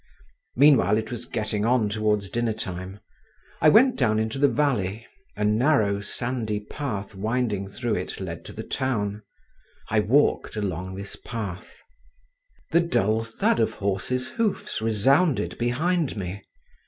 Meanwhile it was getting on towards dinner time. I went down into the valley; a narrow sandy path winding through it led to the town. I walked along this path…. The dull thud of horses' hoofs resounded behind me.